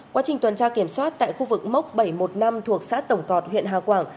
quá trình tuần tra kiểm soát tại khu vực mốc bảy trăm một mươi năm thuộc xã tổng cọt huyện hà quảng